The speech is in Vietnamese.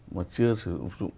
mà chưa sử dụng